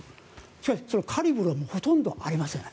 しかしカリブルもほとんどありません。